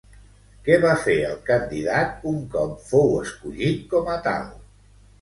Què va fer el candidat un cop fou escollit com a tal?